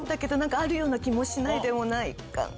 あるような気もしないでもないかな？